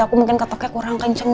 aku mungkin ketoknya kurang kenceng